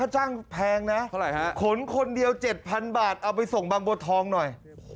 ถ้าจ้างแพงนะเท่าไหร่ฮะขนคนเดียว๗๐๐๐บาทเอาไปส่งบางบททองหน่อย